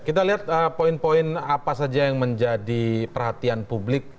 kita lihat poin poin apa saja yang menjadi perhatian publik